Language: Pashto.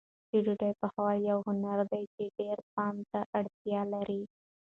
د ډوډۍ پخول یو هنر دی چې ډېر پام ته اړتیا لري.